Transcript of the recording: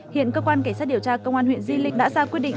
hiện cơ quan cảnh sát điều tra công an huyện di linh đã ra quyết định